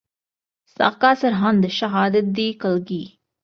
ਸਾਕਾ ਸਰਹੰਦ ਸ਼ਹਾਦਤ ਦੀ ਕਲਗੀ